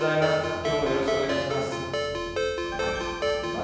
きょうもよろしくお願いします。